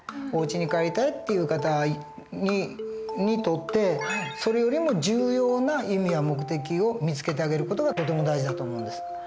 おうちに帰りたいっていう方にとってそれよりも重要な意味や目的を見つけてあげる事がとても大事だと思うんです。